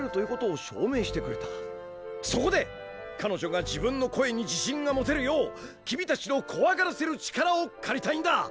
そこで彼女が自分の声に自信が持てるよう君たちのこわがらせる力をかりたいんだ！